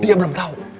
dia belum tahu